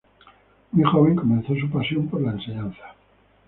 Muy joven comenzó su pasión por la enseñanza.